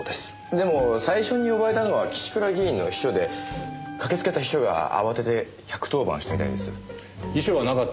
でも最初に呼ばれたのは岸倉議員の秘書で駆けつけた秘書が慌てて１１０番したみたいです。